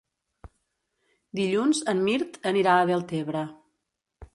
Dilluns en Mirt anirà a Deltebre.